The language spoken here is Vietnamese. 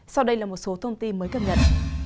sau đây là một số thông tin mới cập nhật